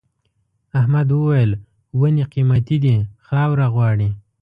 احمد وويل: ونې قيمتي دي خاوره غواړي.